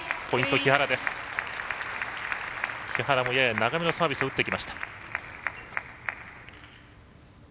木原もやや長めのサービスを打ってきました。